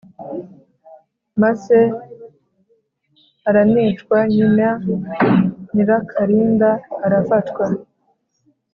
Masse aranicwa Nyina Nyirakarinda arafatwa